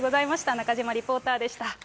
中島リポーターでした。